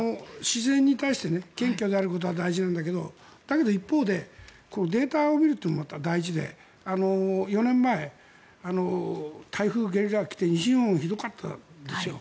自然に対して謙虚であることは大事なんだけどだけど一方でデータを見るというのもまた大事で４年前、台風、ゲリラが来て西日本はひどかったですよ。